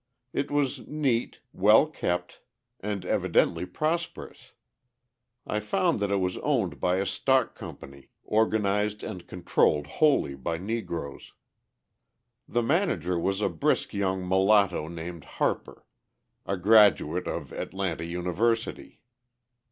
It was neat, well kept, and evidently prosperous. I found that it was owned by a stock company, organised and controlled wholly by Negroes; the manager was a brisk young mulatto named Harper, a graduate of Atlanta University.